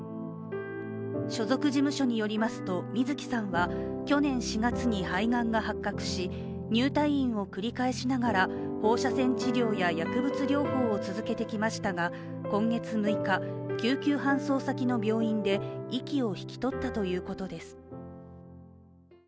所属事務所によりますと、水木さんは去年４月に肺がんが発覚し、入退院を繰り返しながら放射線治療や薬物療法を続けてきましたが今月６日、救急搬送先の病院で息を引き取ったということです。